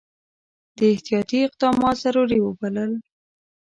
ده احتیاطي اقدامات ضروري وبلل.